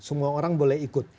semua orang boleh ikut